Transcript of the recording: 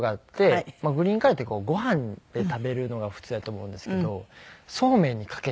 グリーンカレーってご飯で食べるのが普通やと思うんですけどそうめんにかけて。